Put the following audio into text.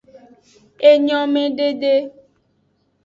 Enyomedede.